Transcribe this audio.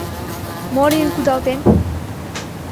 — Мо лийын кудалтен?